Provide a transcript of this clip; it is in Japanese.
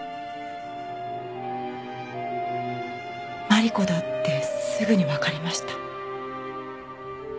真梨子だってすぐにわかりました。